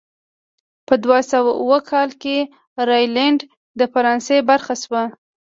په دوه سوه اووه کال کې راینلنډ د فرانسې برخه شوه.